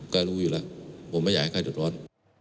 ก็รู้อยู่แล้วผมไม่อยากให้ใครเดือดร้อน